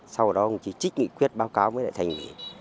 sau đó ông chí trích nghị quyết báo cáo với lại thành ủy